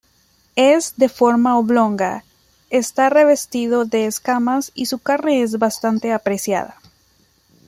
Es de forma oblonga, está revestido de escamas y su carne es bastante apreciada.